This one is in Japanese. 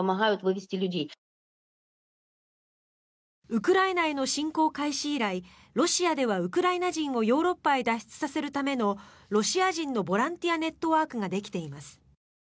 ウクライナへの侵攻開始以来ロシアではウクライナ人をヨーロッパへ脱出させるためのロシア人のボランティアネットワークができています。